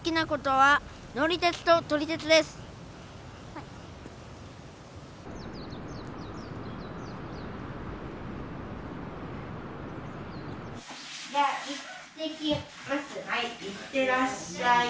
はい行ってらっしゃい。